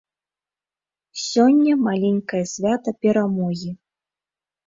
Сёння маленькае свята перамогі.